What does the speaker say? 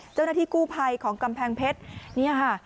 เจ้าหน้าที่กู้ภัยของกำแพงเพชรเนี่ยค่ะ